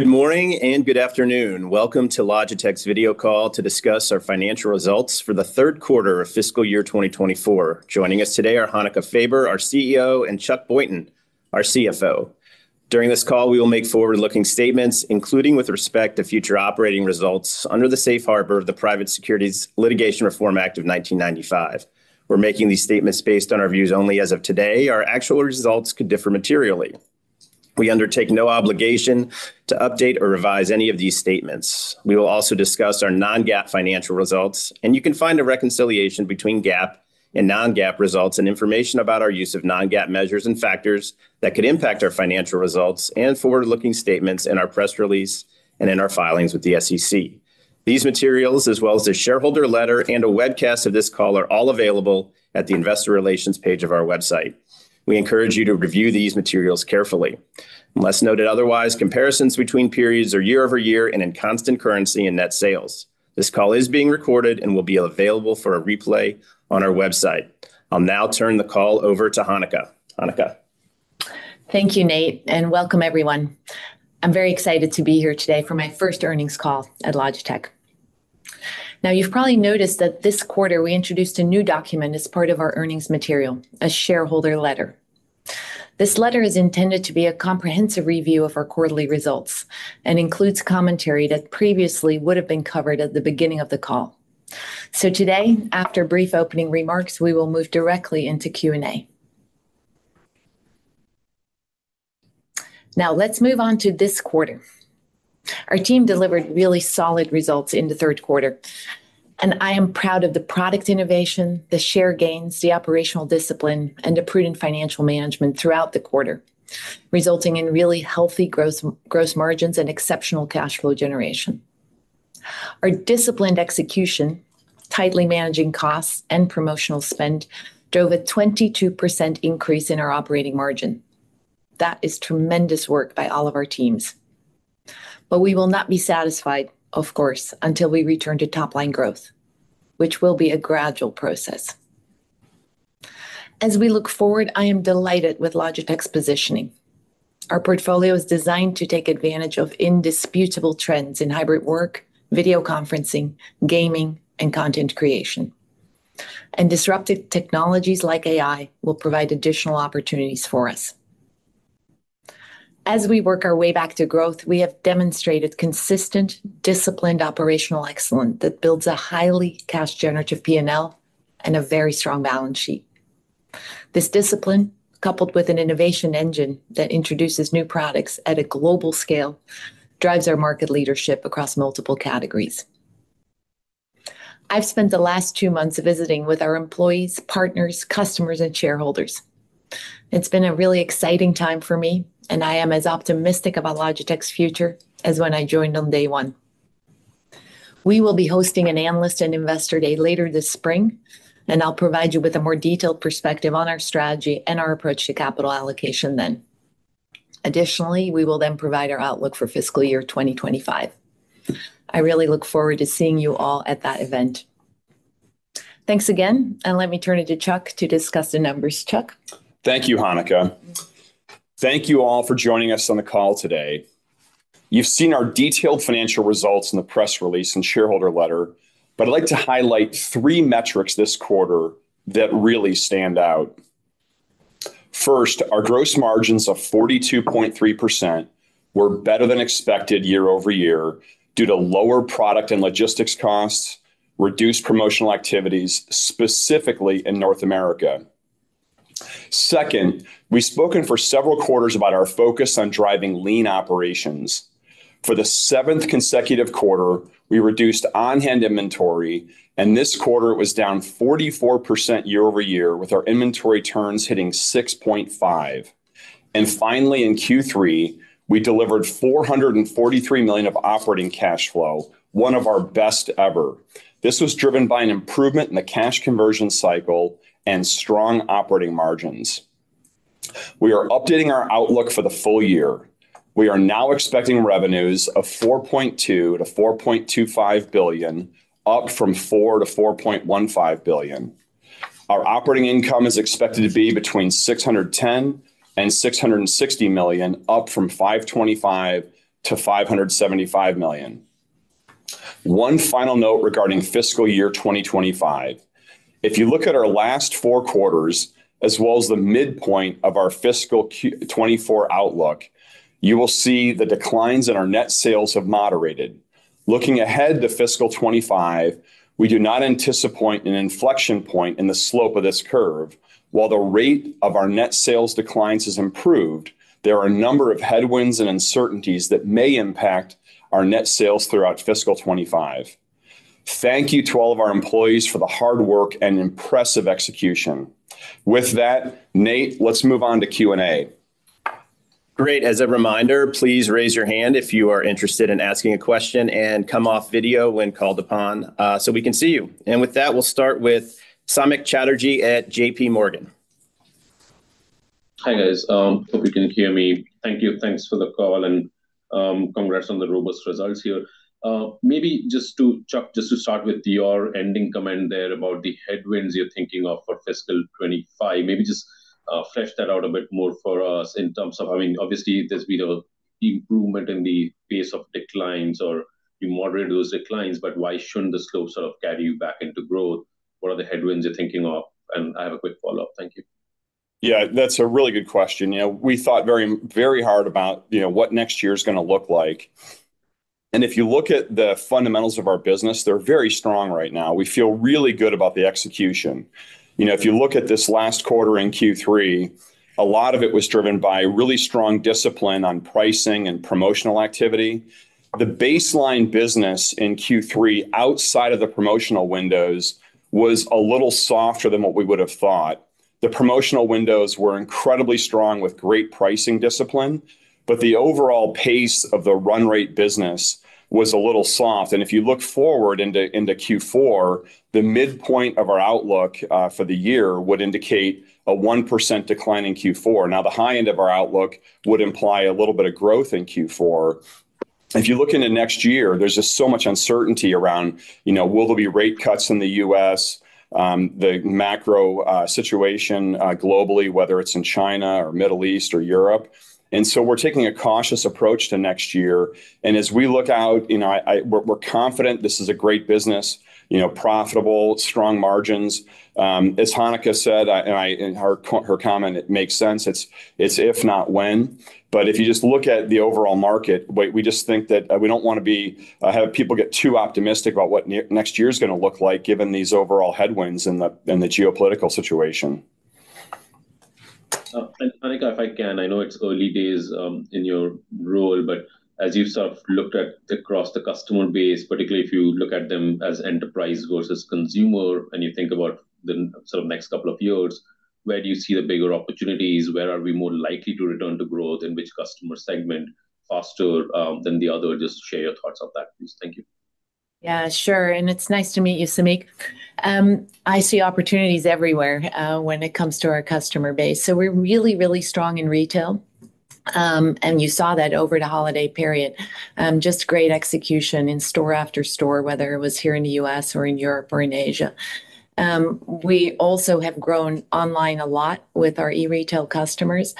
Good morning, and good afternoon. Welcome to Logitech's video call to discuss our financial results for the third quarter of fiscal year 2024. Joining us today are Hanneke Faber, our CEO, and Chuck Boynton, our CFO. During this call, we will make forward-looking statements, including with respect to future operating results, under the safe harbor of the Private Securities Litigation Reform Act of 1995. We're making these statements based on our views only as of today. Our actual results could differ materially. We undertake no obligation to update or revise any of these statements. We will also discuss our non-GAAP financial results, and you can find a reconciliation between GAAP and non-GAAP results and information about our use of non-GAAP measures and factors that could impact our financial results and forward-looking statements in our press release and in our filings with the SEC. These materials, as well as a shareholder letter and a webcast of this call, are all available at the investor relations page of our website. We encourage you to review these materials carefully. Unless noted otherwise, comparisons between periods are year over year and in constant currency and net sales. This call is being recorded and will be available for a replay on our website. I'll now turn the call over to Hanneke. Hanneke? Thank you, Nate, and welcome everyone. I'm very excited to be here today for my first earnings call at Logitech. Now, you've probably noticed that this quarter we introduced a new document as part of our earnings material, a shareholder letter. This letter is intended to be a comprehensive review of our quarterly results and includes commentary that previously would have been covered at the beginning of the call. So today, after brief opening remarks, we will move directly into Q&A. Now, let's move on to this quarter. Our team delivered really solid results in the third quarter, and I am proud of the product innovation, the share gains, the operational discipline, and the prudent financial management throughout the quarter, resulting in really healthy gross margins and exceptional cash flow generation. Our disciplined execution, tightly managing costs and promotional spend, drove a 22% increase in our operating margin. That is tremendous work by all of our teams. But we will not be satisfied, of course, until we return to top-line growth, which will be a gradual process. As we look forward, I am delighted with Logitech's positioning. Our portfolio is designed to take advantage of indisputable trends in hybrid work, video conferencing, gaming, and content creation. And disruptive technologies like AI will provide additional opportunities for us. As we work our way back to growth, we have demonstrated consistent, disciplined, operational excellence that builds a highly cash-generative P&L and a very strong balance sheet. This discipline, coupled with an innovation engine that introduces new products at a global scale, drives our market leadership across multiple categories. I've spent the last two months visiting with our employees, partners, customers, and shareholders. It's been a really exciting time for me, and I am as optimistic about Logitech's future as when I joined on day one. We will be hosting an analyst and investor day later this spring, and I'll provide you with a more detailed perspective on our strategy and our approach to capital allocation then. Additionally, we will then provide our outlook for fiscal year 2025. I really look forward to seeing you all at that event. Thanks again, and let me turn it to Chuck to discuss the numbers. Chuck? Thank you, Hanneke. Thank you all for joining us on the call today. You've seen our detailed financial results in the press release and shareholder letter, but I'd like to highlight three metrics this quarter that really stand out. First, our gross margins of 42.3% were better than expected year-over-year due to lower product and logistics costs, reduced promotional activities, specifically in North America. Second, we've spoken for several quarters about our focus on driving lean operations. For the seventh consecutive quarter, we reduced on-hand inventory, and this quarter it was down 44% year-over-year, with our inventory turns hitting 6.5. And finally, in Q3, we delivered $443 million of operating cash flow, one of our best ever. This was driven by an improvement in the cash conversion cycle and strong operating margins. We are updating our outlook for the full year. We are now expecting revenues of $4.2 billion-$4.25 billion, up from $4 billion-$4.15 billion. Our operating income is expected to be between $610 million and $660 million, up from $525 million-$575 million. One final note regarding fiscal year 2025. If you look at our last four quarters, as well as the midpoint of our fiscal Q4 2024 outlook, you will see the declines in our net sales have moderated. Looking ahead to fiscal 2025, we do not anticipate an inflection point in the slope of this curve. While the rate of our net sales declines has improved, there are a number of headwinds and uncertainties that may impact our net sales throughout fiscal 2025. Thank you to all of our employees for the hard work and impressive execution. With that, Nate, let's move on to Q&A. Great. As a reminder, please raise your hand if you are interested in asking a question, and come off video when called upon, so we can see you. With that, we'll start with Samik Chatterjee at JP Morgan. Hi, guys. Hope you can hear me. Thank you. Thanks for the call, and congrats on the robust results here. Maybe just to, Chuck, just to start with your ending comment there about the headwinds you're thinking of for fiscal 25, maybe just flesh that out a bit more for us in terms of, I mean, obviously, there's been an improvement in the pace of declines or you moderate those declines, but why shouldn't the slope sort of carry you back into growth? What are the headwinds you're thinking of? And I have a quick follow-up. Thank you. Yeah, that's a really good question. You know, we thought very, very hard about, you know, what next year's gonna look like. And if you look at the fundamentals of our business, they're very strong right now. We feel really good about the execution. You know, if you look at this last quarter in Q3, a lot of it was driven by really strong discipline on pricing and promotional activity. The baseline business in Q3, outside of the promotional windows, was a little softer than what we would have thought. The promotional windows were incredibly strong, with great pricing discipline, but the overall pace of the run rate business was a little soft. And if you look forward into, into Q4, the midpoint of our outlook, for the year would indicate a 1% decline in Q4. Now, the high end of our outlook would imply a little bit of growth in Q4. If you look into next year, there's just so much uncertainty around, you know, will there be rate cuts in the U.S.? The macro situation globally, whether it's in China or Middle East or Europe. And so we're taking a cautious approach to next year, and as we look out, you know, we're confident this is a great business, you know, profitable, strong margins. As Hanneke said, and her comment, it makes sense. It's if not when. But if you just look at the overall market, we just think that we don't wanna be have people get too optimistic about what next year's gonna look like, given these overall headwinds and the geopolitical situation. Hanneke, if I can, I know it's early days in your role, but as you've sort of looked at across the customer base, particularly if you look at them as enterprise versus consumer, and you think about the sort of next couple of years, where do you see the bigger opportunities? Where are we more likely to return to growth, in which customer segment faster than the other? Just share your thoughts on that, please. Thank you. Yeah, sure. It's nice to meet you, Samik. I see opportunities everywhere, when it comes to our customer base. We're really, really strong in retail, and you saw that over the holiday period. Just great execution in store after store, whether it was here in the U.S. or in Europe or in Asia. We also have grown online a lot with our e-retail customers.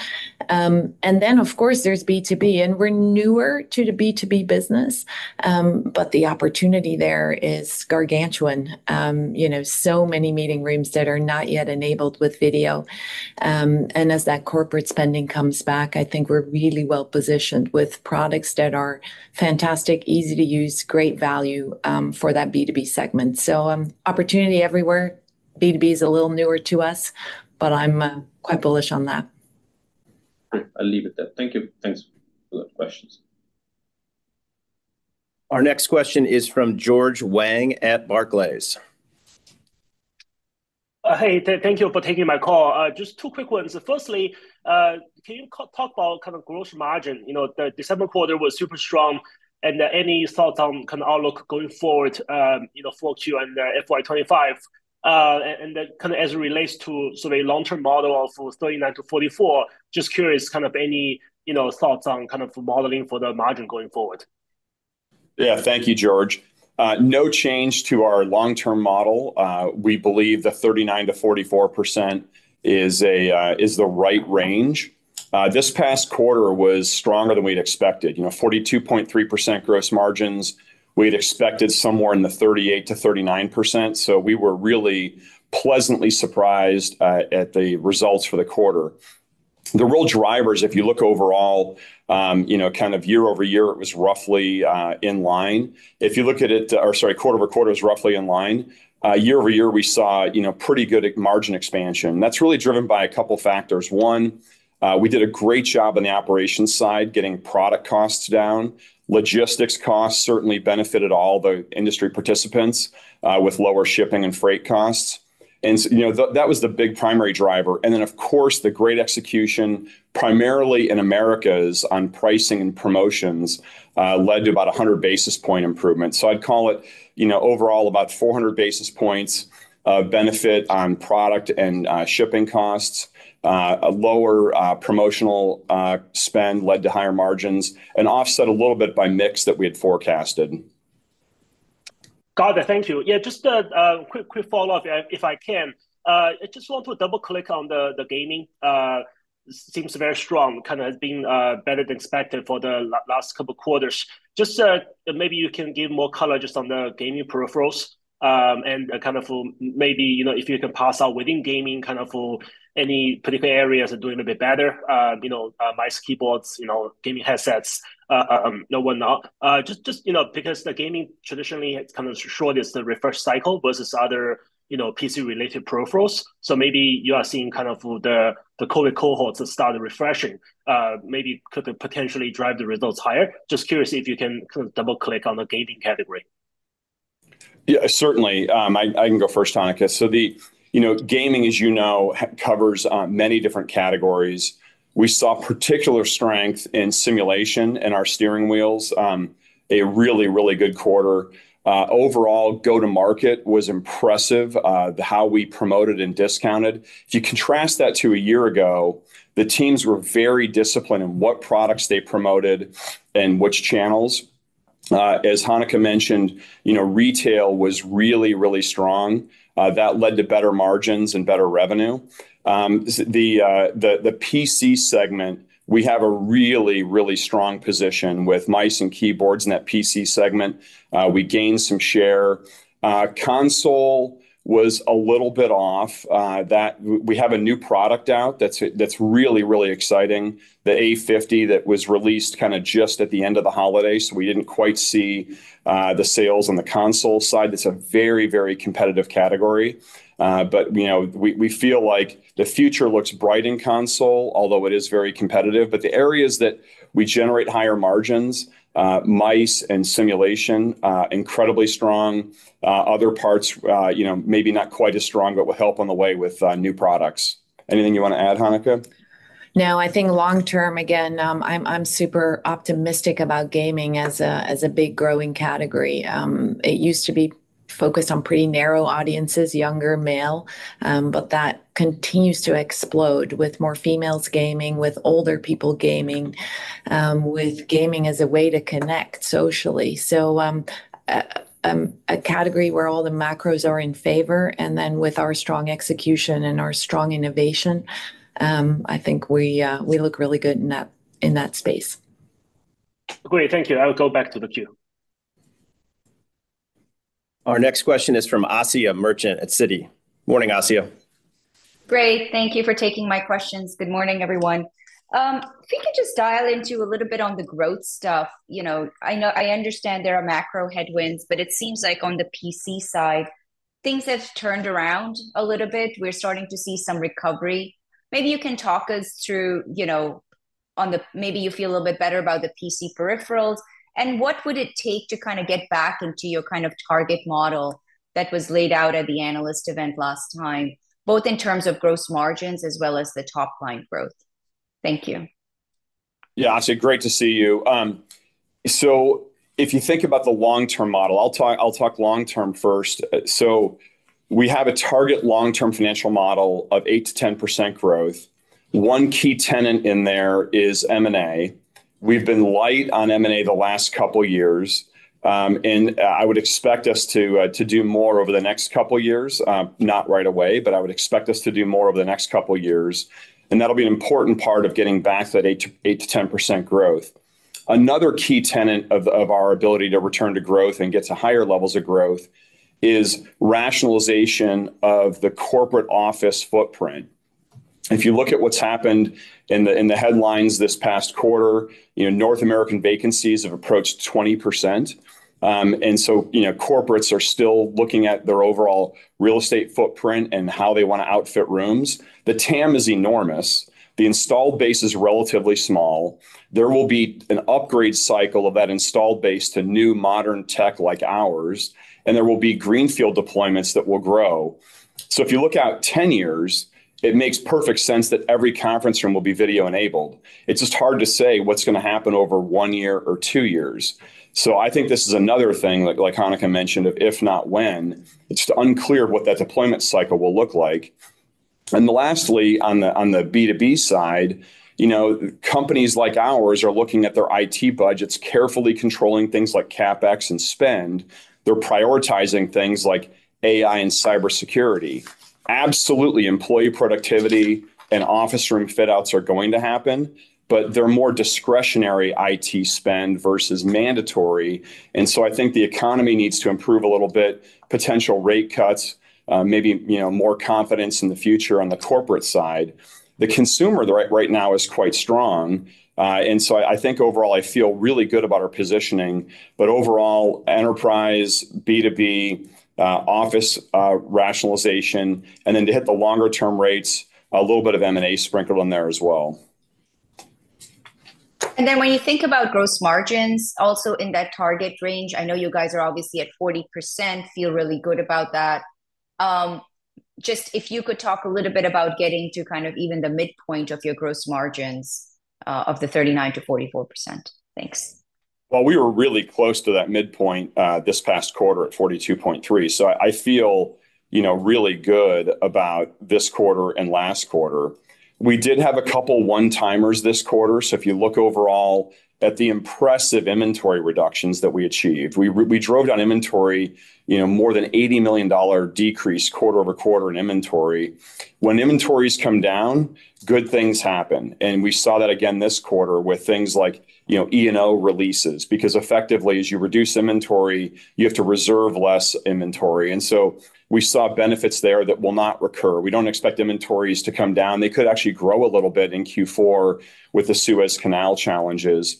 And then, of course, there's B2B, and we're newer to the B2B business, but the opportunity there is gargantuan. You know, so many meeting rooms that are not yet enabled with video. And as that corporate spending comes back, I think we're really well-positioned with products that are fantastic, easy to use, great value, for that B2B segment. So, opportunity everywhere. B2B is a little newer to us, but I'm quite bullish on that. I'll leave it there. Thank you. Thanks for the questions. Our next question is from George Wang at Barclays. Hey, thank you for taking my call. Just two quick ones. Firstly, can you talk about kind of gross margin? You know, the December quarter was super strong, and any thoughts on kind of outlook going forward, you know, for Q1 and FY 25? And then kind of as it relates to sort of a long-term model of 39%-44%, just curious, kind of any, you know, thoughts on kind of modeling for the margin going forward? Yeah. Thank you, George. No change to our long-term model. We believe the 39%-44% is the right range. This past quarter was stronger than we'd expected, you know, 42.3% gross margins. We'd expected somewhere in the 38%-39%, so we were really pleasantly surprised at the results for the quarter. The real drivers, if you look overall, you know, kind of year-over-year, it was roughly in line. If you look at it, or sorry, quarter-over-quarter, it was roughly in line. Year-over-year, we saw, you know, pretty good margin expansion. That's really driven by a couple factors. One, we did a great job on the operations side, getting product costs down. Logistics costs certainly benefited all the industry participants with lower shipping and freight costs. You know, that was the big primary driver. Then, of course, the great execution, primarily in Americas on pricing and promotions, led to about 100 basis point improvement. So I'd call it, you know, overall about 400 basis points of benefit on product and shipping costs. A lower promotional spend led to higher margins, and offset a little bit by mix that we had forecasted. Got it. Thank you. Yeah, just a quick follow-up if I can. I just want to double-click on the gaming. Seems very strong, kind of has been better than expected for the last couple quarters. Just, maybe you can give more color just on the gaming peripherals, and kind of maybe, you know, if you can parse out within gaming, kind of for any particular areas are doing a bit better, you know, mice, keyboards, you know, gaming headsets, you know, whatnot. Just, just, you know, because the gaming traditionally kind of shortest the refresh cycle versus other, you know, PC-related peripherals. So maybe you are seeing kind of the COVID cohorts that started refreshing, maybe could potentially drive the results higher. Just curious if you can kind of double-click on the gaming category. Yeah, certainly. I can go first, Hanneke. So, you know, gaming, as you know, covers many different categories. We saw particular strength in simulation and our steering wheels, a really, really good quarter. Overall, go-to-market was impressive, how we promoted and discounted. If you contrast that to a year ago, the teams were very disciplined in what products they promoted and which channels. As Hanneke mentioned, you know, retail was really, really strong. That led to better margins and better revenue. The PC segment, we have a really, really strong position with mice and keyboards in that PC segment. We gained some share. Console was a little bit off. We have a new product out that's really, really exciting. The A50 that was released kinda just at the end of the holidays, so we didn't quite see the sales on the console side. That's a very, very competitive category. But, you know, we feel like the future looks bright in console, although it is very competitive. But the areas that we generate higher margins, mice and simulation, incredibly strong. Other parts, you know, maybe not quite as strong, but will help on the way with new products. Anything you want to add, Hanneke? No, I think long term, again, I'm super optimistic about gaming as a big growing category. It used to be focused on pretty narrow audiences, younger male, but that continues to explode with more females gaming, with older people gaming, with gaming as a way to connect socially. So, a category where all the macros are in favor, and then with our strong execution and our strong innovation, I think we look really good in that space. Great, thank you. I will go back to the queue. Our next question is from Asiya Merchant at Citi. Morning, Asiya. Great, thank you for taking my questions. Good morning, everyone. If you could just dial into a little bit on the growth stuff, you know, I know, I understand there are macro headwinds, but it seems like on the PC side, things have turned around a little bit. We're starting to see some recovery. Maybe you can talk us through, you know, on the... Maybe you feel a little bit better about the PC peripherals, and what would it take to kinda get back into your kind of target model that was laid out at the analyst event last time, both in terms of gross margins as well as the top line growth? Thank you. Yeah, Asiya, great to see you. So if you think about the long-term model, I'll talk long term first. So we have a target long-term financial model of 8%-10% growth. One key tenet in there is M&A. We've been light on M&A the last couple of years. And I would expect us to do more over the next couple of years, not right away, but I would expect us to do more over the next couple of years, and that'll be an important part of getting back that 8%-10% growth. Another key tenet of our ability to return to growth and get to higher levels of growth is rationalization of the corporate office footprint. If you look at what's happened in the headlines this past quarter, you know, North American vacancies have approached 20%. And so, you know, corporates are still looking at their overall real estate footprint and how they want to outfit rooms. The TAM is enormous, the installed base is relatively small. There will be an upgrade cycle of that installed base to new, modern tech like ours, and there will be greenfield deployments that will grow. So if you look out 10 years, it makes perfect sense that every conference room will be video-enabled. It's just hard to say what's gonna happen over one year or two years. So I think this is another thing, like, like Hanneke mentioned, of if not when, it's unclear what that deployment cycle will look like. Lastly, on the, on the B2B side, you know, companies like ours are looking at their IT budgets, carefully controlling things like CapEx and spend. They're prioritizing things like AI and cybersecurity. Absolutely, employee productivity and office room fit outs are going to happen, but they're more discretionary IT spend versus mandatory, and so I think the economy needs to improve a little bit. Potential rate cuts, maybe, you know, more confidence in the future on the corporate side. The consumer right, right now is quite strong, and so I think overall I feel really good about our positioning, but overall, enterprise, B2B, office, rationalization, and then to hit the longer-term rates, a little bit of M&A sprinkled in there as well. Then when you think about gross margins also in that target range, I know you guys are obviously at 40%, feel really good about that. Just if you could talk a little bit about getting to kind of even the midpoint of your gross margins, of the 39%-44%. Thanks. Well, we were really close to that midpoint this past quarter at 42.3%, so I, I feel, you know, really good about this quarter and last quarter. We did have a couple one-timers this quarter, so if you look overall at the impressive inventory reductions that we achieved, we, we drove down inventory, you know, more than $80 million decrease quarter-over-quarter in inventory. When inventories come down, good things happen, and we saw that again this quarter with things like, you know, E&O releases, because effectively, as you reduce inventory, you have to reserve less inventory, and so we saw benefits there that will not recur. We don't expect inventories to come down. They could actually grow a little bit in Q4 with the Suez Canal challenges.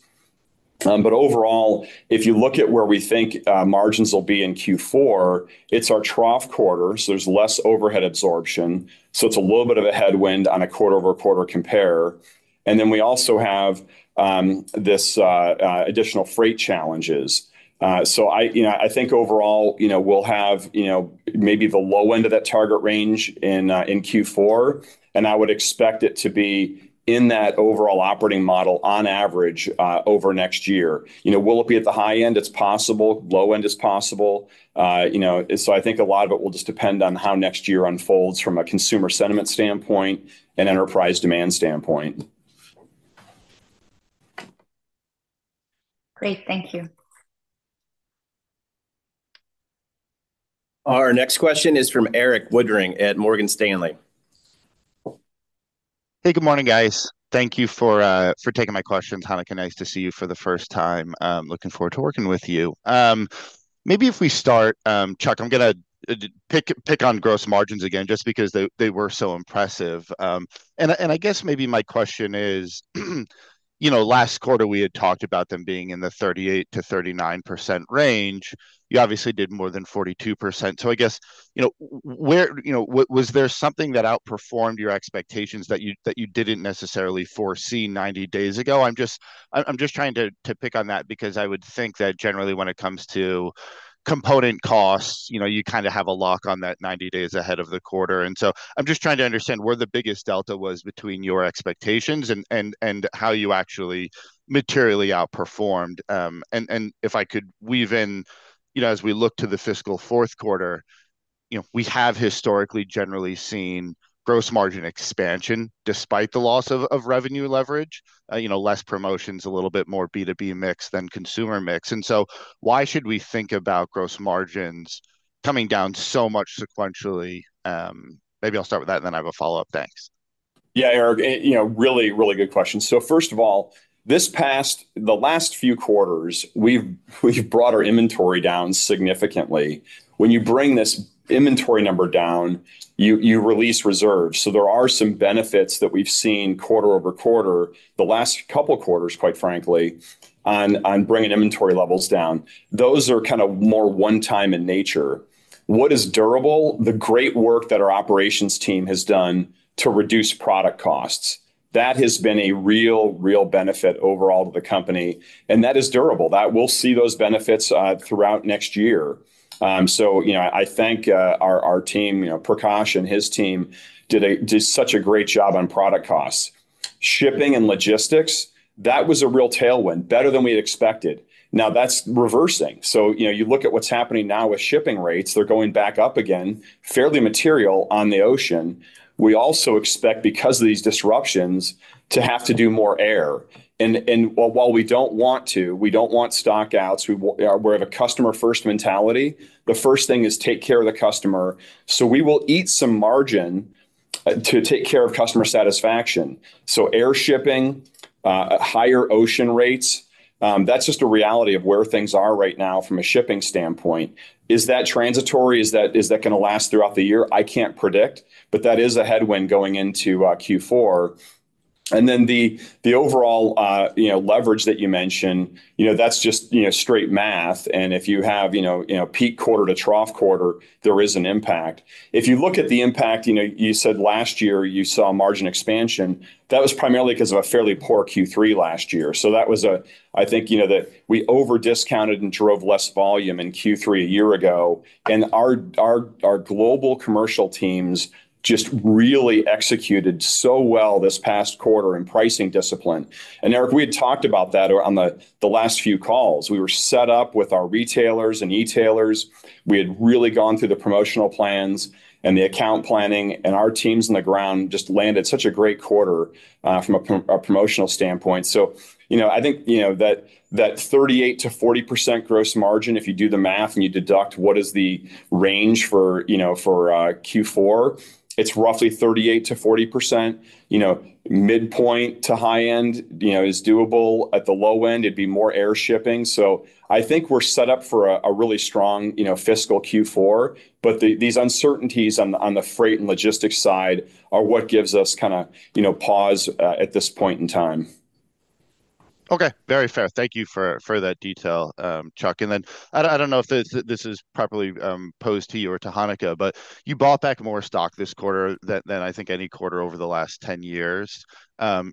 But overall, if you look at where we think margins will be in Q4, it's our trough quarter, so there's less overhead absorption, so it's a little bit of a headwind on a quarter-over-quarter compare. And then we also have this additional freight challenges. So I, you know, I think overall, you know, we'll have, you know, maybe the low end of that target range in Q4, and I would expect it to be in that overall operating model on average over next year. You know, will it be at the high end? It's possible. Low end is possible. You know, so I think a lot of it will just depend on how next year unfolds from a consumer sentiment standpoint and enterprise demand standpoint. ... Great. Thank you. Our next question is from Erik Woodring at Morgan Stanley. Hey, good morning, guys. Thank you for taking my questions. Hanneke, nice to see you for the first time. Looking forward to working with you. Maybe if we start, Chuck, I'm gonna pick on gross margins again, just because they were so impressive. And I guess maybe my question is, you know, last quarter we had talked about them being in the 38%-39% range. You obviously did more than 42%. So I guess, you know, where... You know, was there something that outperformed your expectations that you didn't necessarily foresee 90 days ago? I'm just trying to pick on that because I would think that generally when it comes to component costs, you know, you kind of have a lock on that 90 days ahead of the quarter. So I'm just trying to understand where the biggest delta was between your expectations and how you actually materially outperformed? And if I could weave in, you know, as we look to the fiscal fourth quarter, you know, we have historically generally seen gross margin expansion despite the loss of revenue leverage. You know, less promotions, a little bit more B2B mix than consumer mix. And so why should we think about gross margins coming down so much sequentially? Maybe I'll start with that, and then I have a follow-up. Thanks. Yeah, Eric, you know, really, really good question. So first of all, this past... The last few quarters, we've brought our inventory down significantly. When you bring this inventory number down, you release reserves. So there are some benefits that we've seen quarter over quarter, the last couple of quarters, quite frankly, on bringing inventory levels down. Those are kind of more one-time in nature. What is durable? The great work that our operations team has done to reduce product costs. That has been a real, real benefit overall to the company, and that is durable. That we'll see those benefits throughout next year. So, you know, I thank our team. You know, Prakash and his team did such a great job on product costs. Shipping and logistics, that was a real tailwind, better than we expected. Now, that's reversing. So, you know, you look at what's happening now with shipping rates, they're going back up again, fairly material on the ocean. We also expect, because of these disruptions, to have to do more air. While we don't want to, we don't want stock outs, we have a customer-first mentality. The first thing is take care of the customer, so we will eat some margin to take care of customer satisfaction. So air shipping, higher ocean rates, that's just a reality of where things are right now from a shipping standpoint. Is that transitory? Is that gonna last throughout the year? I can't predict, but that is a headwind going into Q4. And then the overall, you know, leverage that you mentioned, you know, that's just, you know, straight math, and if you have, you know, you know, peak quarter to trough quarter, there is an impact. If you look at the impact, you know, you said last year you saw margin expansion, that was primarily because of a fairly poor Q3 last year. So that was, I think, you know, that we over-discounted and drove less volume in Q3 a year ago, and our global commercial teams just really executed so well this past quarter in pricing discipline. And, Eric, we had talked about that on the last few calls. We were set up with our retailers and e-tailers. We had really gone through the promotional plans and the account planning, and our teams on the ground just landed such a great quarter from a pro- a promotional standpoint. So, you know, I think, you know, that, that 38%-40% gross margin, if you do the math and you deduct what is the range for, you know, for Q4, it's roughly 38%-40%. You know, midpoint to high end, you know, is doable. At the low end, it'd be more air shipping. So I think we're set up for a, a really strong, you know, fiscal Q4, but the- these uncertainties on the, on the freight and logistics side are what gives us kind of, you know, pause at this point in time. Okay, very fair. Thank you for that detail, Chuck. And then I don't know if this is properly posed to you or to Hanneke, but you bought back more stock this quarter than I think any quarter over the last 10 years.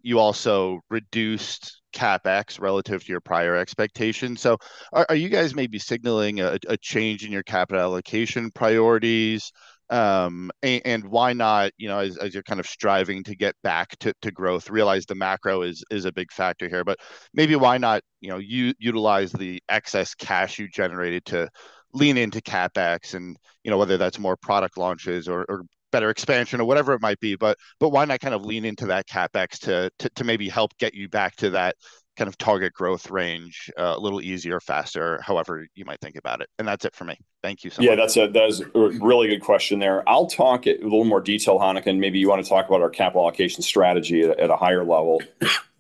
You also reduced CapEx relative to your prior expectations. So are you guys maybe signaling a change in your capital allocation priorities? And why not, you know, as you're kind of striving to get back to growth, realize the macro is a big factor here. But maybe why not, you know, utilize the excess cash you generated to lean into CapEx and, you know, whether that's more product launches or better expansion or whatever it might be. But, but why not kind of lean into that CapEx to, to, to maybe help get you back to that kind of target growth range, a little easier, faster, however you might think about it? That's it for me. Thank you so much. Yeah, that's a really good question there. I'll talk in a little more detail, Hanneke, and maybe you want to talk about our capital allocation strategy at a higher level.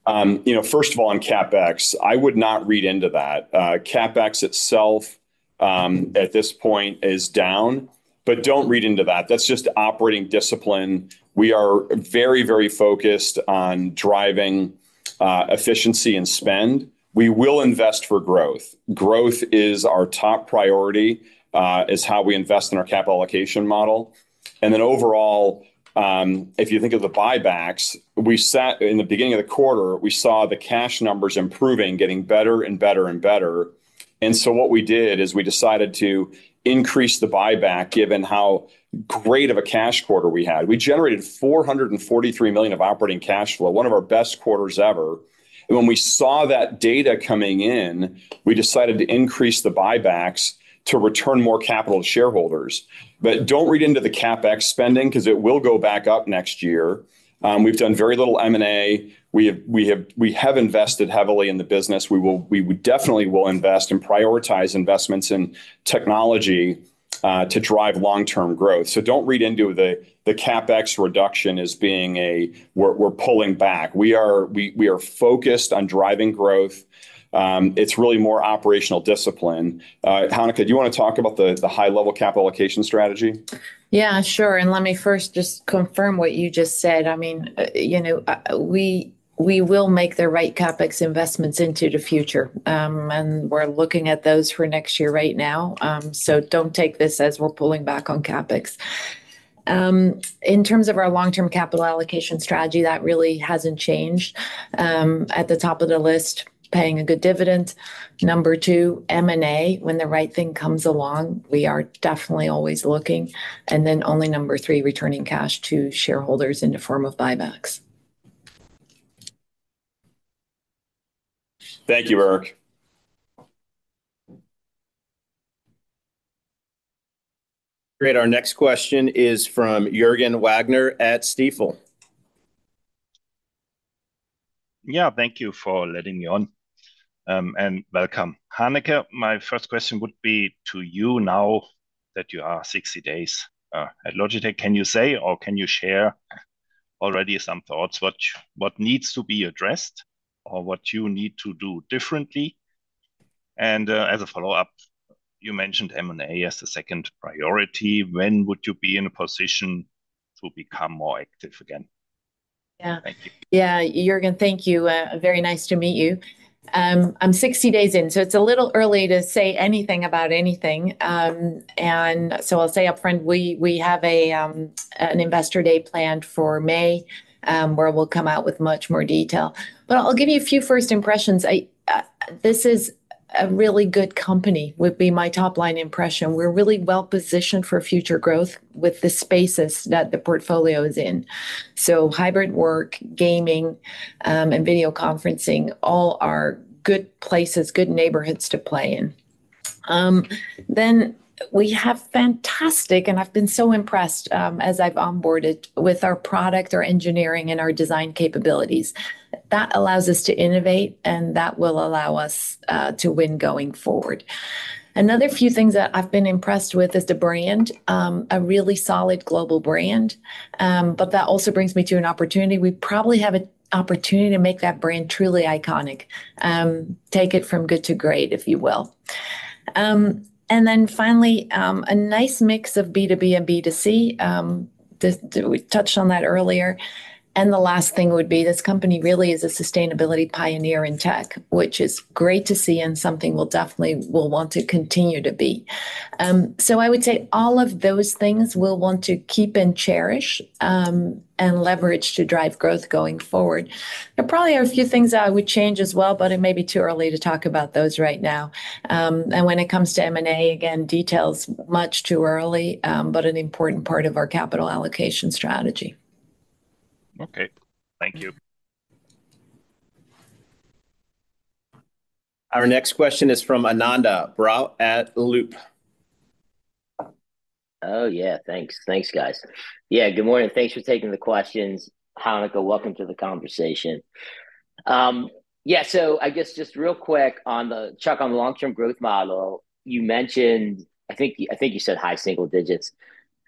You know, first of all, on CapEx, I would not read into that. CapEx itself, at this point is down, but don't read into that. That's just operating discipline. We are very, very focused on driving, efficiency and spend. We will invest for growth. Growth is our top priority, is how we invest in our capital allocation model. And then overall, if you think of the buybacks, in the beginning of the quarter, we saw the cash numbers improving, getting better and better and better, and so what we did is we decided to increase the buyback, given how great of a cash quarter we had. We generated $443 million of operating cash flow, one of our best quarters ever. And when we saw that data coming in, we decided to increase the buybacks to return more capital to shareholders. But don't read into the CapEx spending, 'cause it will go back up next year. We've done very little M&A. We have invested heavily in the business. We will definitely invest and prioritize investments in technology to drive long-term growth. So don't read into the CapEx reduction as being a, "We're pulling back." We are focused on driving growth. It's really more operational discipline. Hanneke, do you wanna talk about the high-level capital allocation strategy? Yeah, sure. And let me first just confirm what you just said. I mean, you know, we will make the right CapEx investments into the future. And we're looking at those for next year right now. So don't take this as we're pulling back on CapEx. In terms of our long-term capital allocation strategy, that really hasn't changed. At the top of the list, paying a good dividend. Number two, M&A, when the right thing comes along, we are definitely always looking. And then only number three, returning cash to shareholders in the form of buybacks. Thank you, Erik. Great, our next question is from Jürgen Wagner at Stifel. Yeah, thank you for letting me on. And welcome. Hanneke, my first question would be to you now that you are 60 days at Logitech, can you say or can you share already some thoughts what, what needs to be addressed, or what you need to do differently? And, as a follow-up, you mentioned M&A as the second priority, when would you be in a position to become more active again? Yeah. Thank you. Yeah, Jürgen, thank you. Very nice to meet you. I'm 60 days in, so it's a little early to say anything about anything. And so I'll say upfront, we have an investor day planned for May, where we'll come out with much more detail. But I'll give you a few first impressions. This is a really good company, would be my top-line impression. We're really well-positioned for future growth with the spaces that the portfolio is in. So hybrid work, gaming, and video conferencing all are good places, good neighborhoods to play in. Then we have fantastic, and I've been so impressed, as I've onboarded with our product, our engineering, and our design capabilities. That allows us to innovate, and that will allow us to win going forward. Another few things that I've been impressed with is the brand, a really solid global brand. But that also brings me to an opportunity. We probably have an opportunity to make that brand truly iconic. Take it from good to great, if you will. And then finally, a nice mix of B2B and B2C. We touched on that earlier. And the last thing would be, this company really is a sustainability pioneer in tech, which is great to see and something we'll definitely will want to continue to be. So I would say all of those things we'll want to keep and cherish, and leverage to drive growth going forward. There probably are a few things that I would change as well, but it may be too early to talk about those right now. When it comes to M&A, again, details much too early, but an important part of our capital allocation strategy. Okay. Thank you. Our next question is from Ananda Baruah at Loop. Oh, yeah, thanks. Thanks, guys. Yeah, good morning. Thanks for taking the questions. Hanneke, welcome to the conversation. Yeah, so I guess just real quick on the, Chuck, on the long-term growth model you mentioned, I think, I think you said high single digits.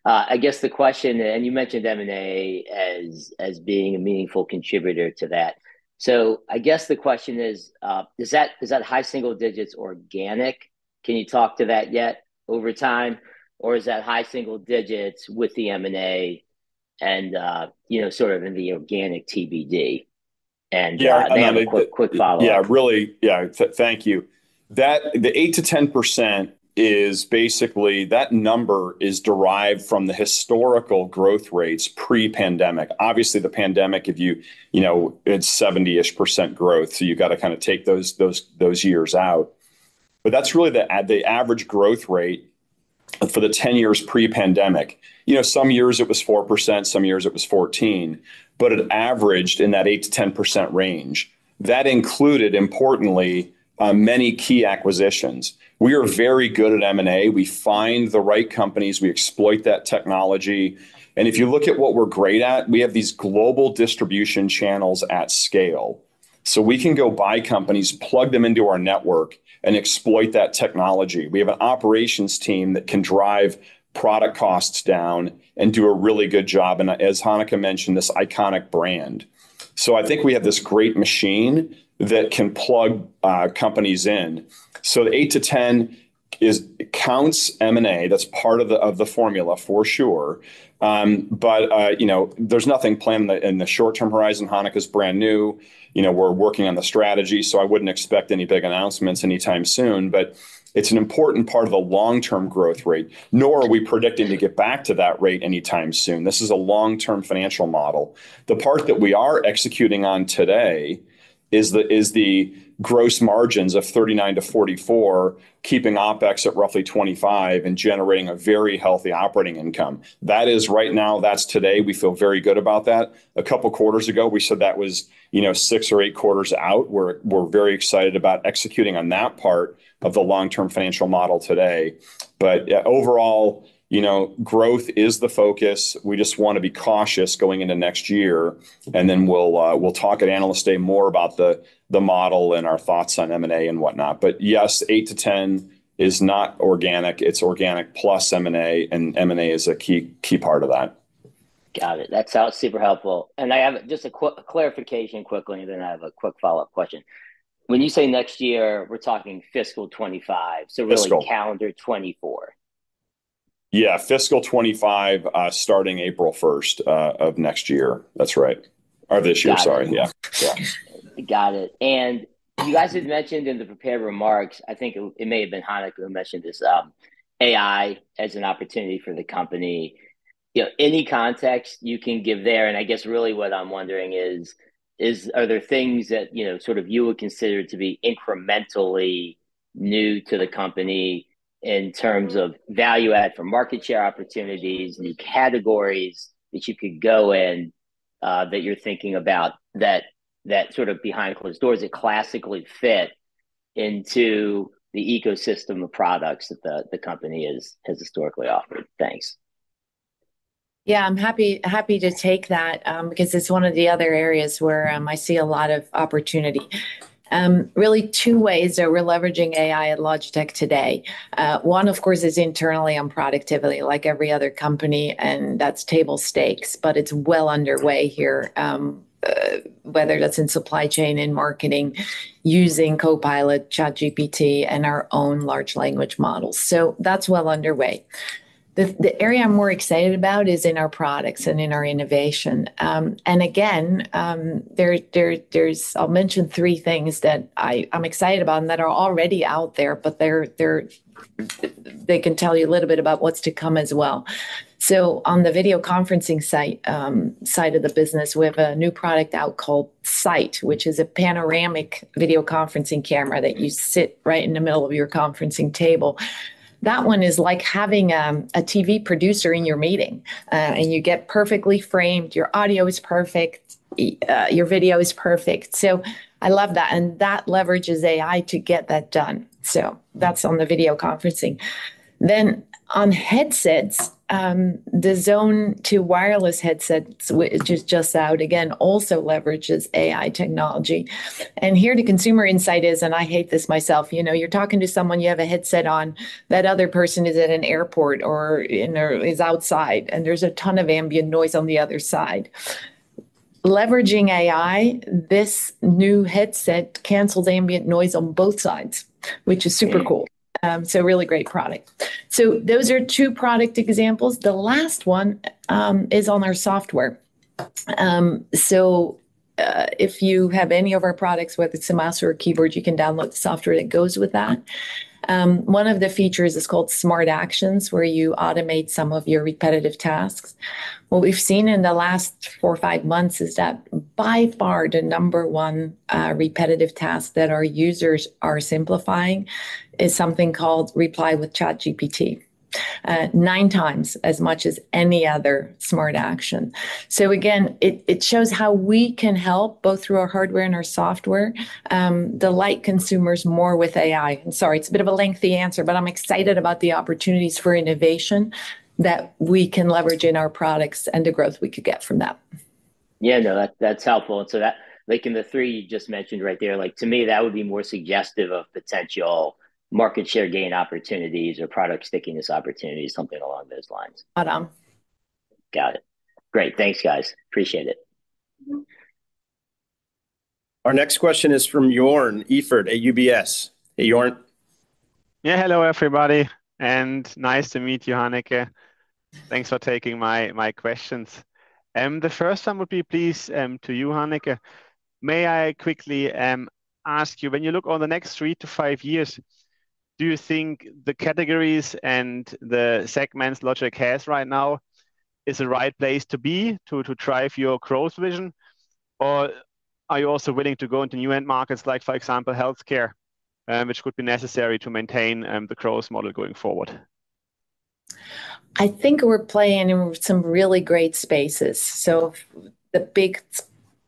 I guess the question, and you mentioned M&A as, as being a meaningful contributor to that. So I guess the question is, is that, is that high single digits organic? Can you talk to that yet over time, or is that high single digits with the M&A and, you know, sort of in the organic TBD? And- Yeah, I mean- Quick follow-up. Yeah, really, yeah. Thank you. That the 8%-10% is basically, that number is derived from the historical growth rates pre-pandemic. Obviously, the pandemic, if you, you know, it's 70-ish% growth, so you've got to kind of take those years out. But that's really the average growth rate for the 10 years pre-pandemic. You know, some years it was 4%, some years it was 14, but it averaged in that 8%-10% range. That included, importantly, many key acquisitions. We are very good at M&A. We find the right companies, we exploit that technology, and if you look at what we're great at, we have these global distribution channels at scale. So we can go buy companies, plug them into our network, and exploit that technology. We have an operations team that can drive product costs down and do a really good job, and as Hanneke mentioned, this iconic brand. So I think we have this great machine that can plug companies in. So the eight-10 counts M&A, that's part of the, of the formula, for sure. But you know, there's nothing planned in the short-term horizon. Hanneke's brand new, you know, we're working on the strategy, so I wouldn't expect any big announcements anytime soon, but it's an important part of the long-term growth rate, nor are we predicting to get back to that rate anytime soon. This is a long-term financial model. The part that we are executing on today is the gross margins of 39%-44%, keeping OpEx at roughly 25% and generating a very healthy operating income. That is right now, that's today. We feel very good about that. A couple of quarters ago, we said that was, you know, six or eight quarters out. We're very excited about executing on that part of the long-term financial model today. But overall, you know, growth is the focus. We just want to be cautious going into next year, and then we'll talk at Analyst Day more about the model and our thoughts on M&A and whatnot. But yes, eight-10 is not organic, it's organic plus M&A, and M&A is a key, key part of that.... Got it. That's super helpful. And I have just a quick clarification quickly, then I have a quick follow-up question. When you say next year, we're talking fiscal 2025? Fiscal. So really, calendar 2024. Yeah, fiscal 2025, starting April 1st, of next year. That's right. Or this year- Got it Sorry. Yeah. Yeah. Got it. And you guys had mentioned in the prepared remarks, I think it, it may have been Hanneke who mentioned this, AI as an opportunity for the company. You know, any context you can give there, and I guess really what I'm wondering is, is, are there things that, you know, sort of you would consider to be incrementally new to the company in terms of value add for market share opportunities, new categories that you could go in, that you're thinking about, that, that sort of behind closed doors that classically fit into the ecosystem of products that the, the company is, has historically offered? Thanks. Yeah, I'm happy, happy to take that, because it's one of the other areas where, I see a lot of opportunity. Really two ways that we're leveraging AI at Logitech today. One, of course, is internally on productivity, like every other company, and that's table stakes, but it's well underway here. Whether that's in supply chain and marketing, using Copilot, ChatGPT, and our own large language models. So that's well underway. The area I'm more excited about is in our products and in our innovation. And again, there, there's-- I'll mention three things that I'm excited about and that are already out there, but they're-- they can tell you a little bit about what's to come as well. So on the video conferencing site side of the business, we have a new product out called Sight, which is a panoramic video conferencing camera that you sit right in the middle of your conferencing table. That one is like having a TV producer in your meeting, and you get perfectly framed, your audio is perfect, your video is perfect. So I love that, and that leverages AI to get that done. So that's on the video conferencing. Then on headsets, the Zone 2 wireless headsets, which is just out, again, also leverages AI technology. And here, the consumer insight is, and I hate this myself, you know, you're talking to someone, you have a headset on, that other person is at an airport or is outside, and there's a ton of ambient noise on the other side. Leveraging AI, this new headset cancels ambient noise on both sides, which is super cool. So a really great product. So those are two product examples. The last one is on our software. So, if you have any of our products, whether it's a mouse or a keyboard, you can download the software that goes with that. One of the features is called Smart Actions, where you automate some of your repetitive tasks. What we've seen in the last four or five months is that by far, the number one repetitive task that our users are simplifying is something called Reply with ChatGPT. 9 times as much as any other smart action. So again, it, it shows how we can help, both through our hardware and our software, delight consumers more with AI. Sorry, it's a bit of a lengthy answer, but I'm excited about the opportunities for innovation that we can leverage in our products and the growth we could get from that. Yeah, no, that's helpful. So, that, like in the three you just mentioned right there, like, to me, that would be more suggestive of potential market share gain opportunities or product stickiness opportunities, something along those lines. Spot on. Got it. Great. Thanks, guys. Appreciate it. Our next question is from Joern Iffert at UBS. Hey, Joern. Yeah, hello, everybody, and nice to meet you, Hanneke. Thanks for taking my, my questions. The first one would be, please, to you, Hanneke. May I quickly ask you, when you look on the next three to five years, do you think the categories and the segments Logitech has right now is the right place to be to, to drive your growth vision? Or are you also willing to go into new end markets, like, for example, healthcare, which could be necessary to maintain the growth model going forward? I think we're playing in some really great spaces, so the big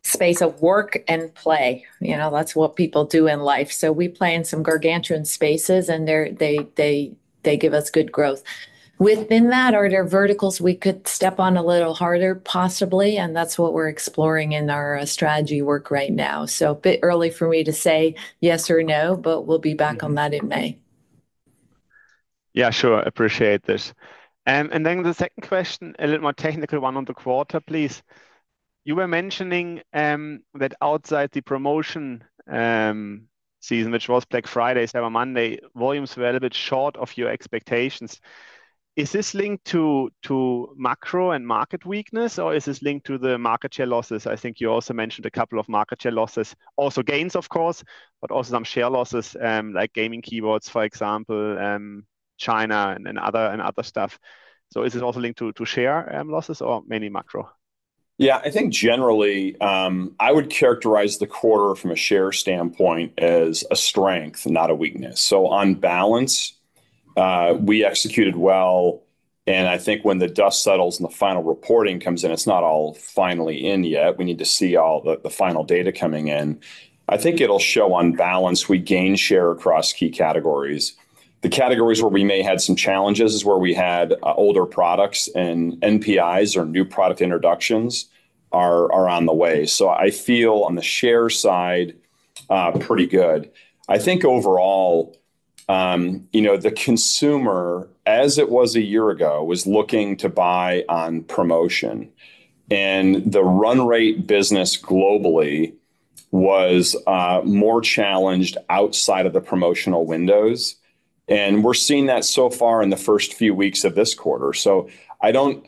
space of work and play, you know, that's what people do in life. So we play in some gargantuan spaces, and they give us good growth. Within that, are there verticals we could step on a little harder, possibly, and that's what we're exploring in our strategy work right now. So a bit early for me to say yes or no, but we'll be back on that in May. Yeah, sure, appreciate this. And then the second question, a little more technical one on the quarter, please. You were mentioning that outside the promotion season, which was Black Friday, Cyber Monday, volumes were a little bit short of your expectations. Is this linked to macro and market weakness, or is this linked to the market share losses? I think you also mentioned a couple of market share losses. Also gains, of course, but also some share losses, like gaming keyboards, for example, China and other stuff. So is this also linked to share losses or mainly macro? Yeah, I think generally, I would characterize the quarter from a share standpoint as a strength, not a weakness. So on balance, we executed well, and I think when the dust settles and the final reporting comes in, it's not all finally in yet, we need to see all the final data coming in. I think it'll show on balance, we gain share across key categories. The categories where we may had some challenges is where we had older products and NPIs, or new product introductions, are on the way. So I feel on the share side, pretty good. I think overall, you know, the consumer, as it was a year ago, was looking to buy on promotion, and the run rate business globally was more challenged outside of the promotional windows. And we're seeing that so far in the first few weeks of this quarter. So I don't,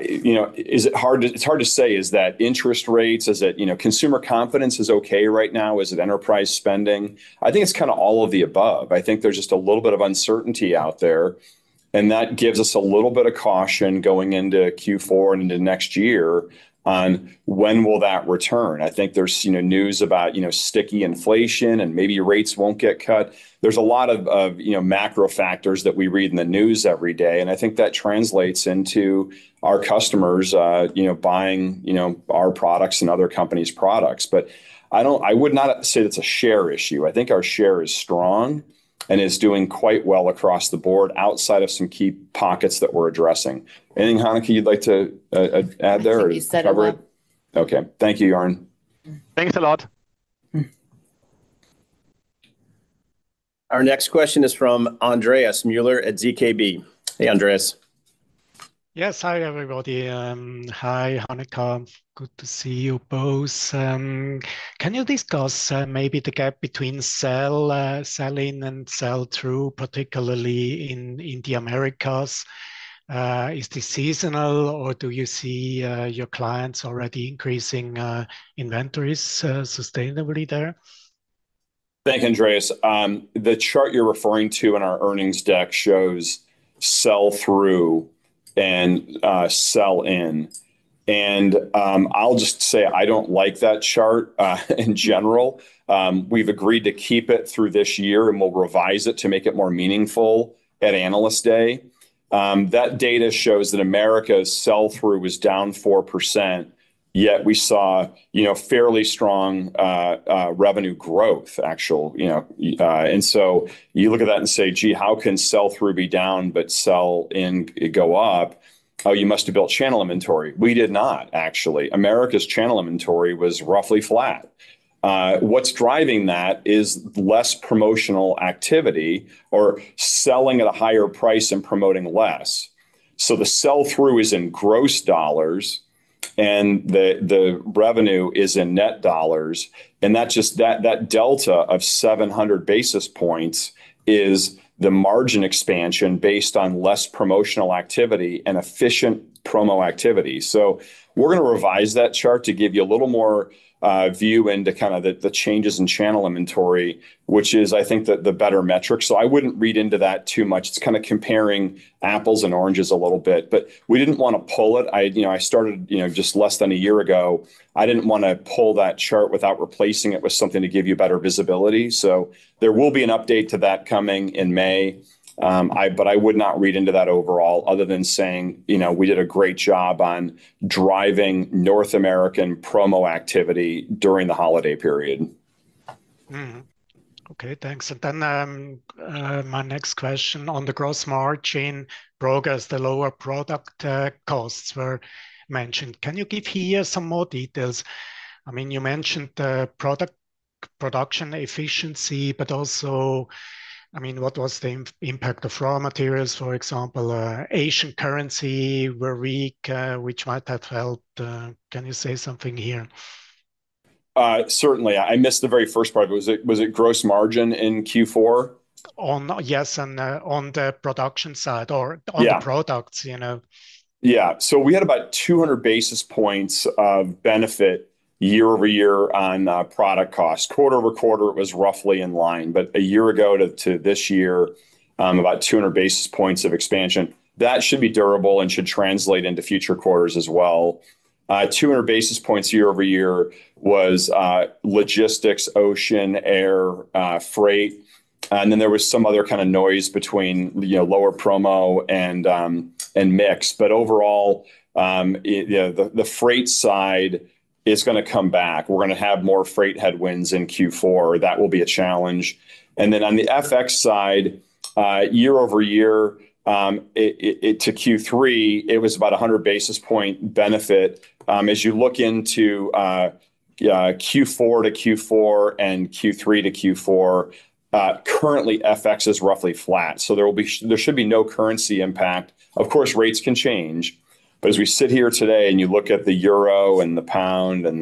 you know, it's hard to say, is that interest rates? Is it... You know, consumer confidence is okay right now. Is it enterprise spending? I think it's kind of all of the above. I think there's just a little bit of uncertainty out there, and that gives us a little bit of caution going into Q4 and into next year on when will that return. I think there's, you know, news about, you know, sticky inflation, and maybe rates won't get cut. There's a lot of, you know, macro factors that we read in the news every day, and I think that translates into our customers, you know, buying, you know, our products and other companies' products. But I would not say it's a share issue. I think our share is strong and is doing quite well across the board, outside of some key pockets that we're addressing. Anything, Hanneke, you'd like to add there or cover it? I think you said it well. Okay. Thank you, Joern. Thanks a lot. Mm. Our next question is from Andreas Müller at ZKB. Hey, Andreas. Yes. Hi, everybody. Hi, Hanneke. Good to see you both. Can you discuss maybe the gap between sell-in and sell-through, particularly in the Americas? Is this seasonal, or do you see your clients already increasing inventories sustainably there? Thanks, Andreas. The chart you're referring to in our earnings deck shows sell-through and sell-in, and I'll just say I don't like that chart in general. We've agreed to keep it through this year, and we'll revise it to make it more meaningful at Analyst Day. That data shows that America's sell-through was down 4%, yet we saw, you know, fairly strong revenue growth, actual, you know. And so you look at that and say, "Gee, how can sell-through be down but sell-in go up? Oh, you must have built channel inventory." We did not, actually. America's channel inventory was roughly flat. What's driving that is less promotional activity or selling at a higher price and promoting less. So the sell-through is in gross dollars, and the revenue is in net dollars, and that's just that delta of 700 basis points is the margin expansion based on less promotional activity and efficient promo activity. So we're going to revise that chart to give you a little more view into kind of the changes in channel inventory, which is, I think, the better metric. So I wouldn't read into that too much. It's kind of comparing apples and oranges a little bit, but we didn't want to pull it. You know, I started, you know, just less than a year ago. I didn't want to pull that chart without replacing it with something to give you better visibility. So there will be an update to that coming in May. But I would not read into that overall, other than saying, you know, we did a great job on driving North American promo activity during the holiday period. Okay, thanks. And then, my next question, on the gross margin progress, the lower product costs were mentioned. Can you give here some more details? I mean, you mentioned product production efficiency, but also, I mean, what was the impact of raw materials? For example, Asian currency were weak, which might have helped. Can you say something here? Certainly. I missed the very first part. Was it, was it gross margin in Q4? Yes, on the production side or- Yeah... on the products, you know? Yeah. So we had about 200 basis points of benefit year-over-year on product costs. Quarter-over-quarter, it was roughly in line, but a year ago to this year, about 200 basis points of expansion. That should be durable and should translate into future quarters as well. 200 basis points year-over-year was logistics, ocean, air, freight, and then there was some other kind of noise between, you know, lower promo and mix. But overall, the freight side is going to come back. We're going to have more freight headwinds in Q4. That will be a challenge. And then on the FX side, year-over-year, it to Q3, it was about 100 basis points benefit. As you look into Q4-Q4 and Q3-Q4, currently, FX is roughly flat, so there will be, there should be no currency impact. Of course, rates can change, but as we sit here today and you look at the euro and the pound and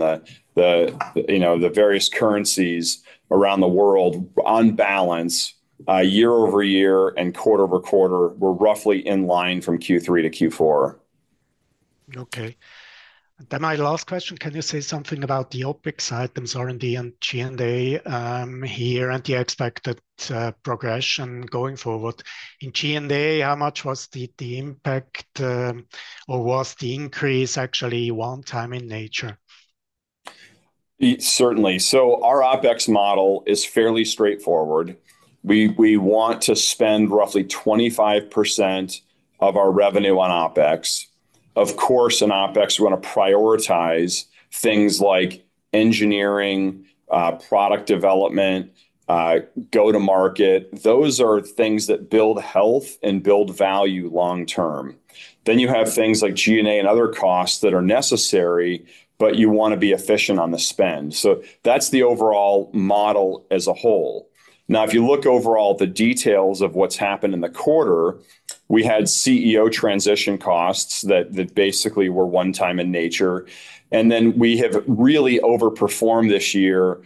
you know the various currencies around the world, on balance, year-over-year and quarter-over-quarter, we're roughly in line from Q3-Q4. Okay. Then my last question, can you say something about the OpEx items, R&D, and G&A, here, and the expected progression going forward? In G&A, how much was the impact, or was the increase actually one time in nature? Certainly. So our OpEx model is fairly straightforward. We, we want to spend roughly 25% of our revenue on OpEx. Of course, in OpEx, we're going to prioritize things like engineering, product development, go-to-market, those are things that build health and build value long-term. Then you have things like G&A and other costs that are necessary, but you wanna be efficient on the spend. So that's the overall model as a whole. Now, if you look overall at the details of what's happened in the quarter, we had CEO transition costs that, that basically were one-time in nature, and then we have really overperformed this year,